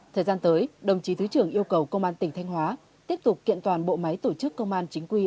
thời gian tới đồng chí thứ trưởng yêu cầu công an tỉnh thanh hóa tiếp tục kiện toàn bộ máy tổ chức công an chính quy